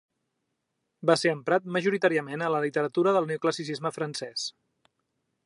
Va ser emprat majoritàriament a la literatura del neoclassicisme francès.